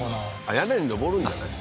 屋根に登るんじゃない？